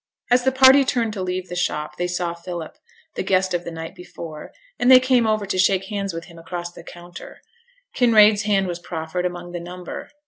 As the party turned to leave the shop they saw Philip, the guest of the night before; and they came over to shake hands with him across the counter; Kinraid's hand was proffered among the number.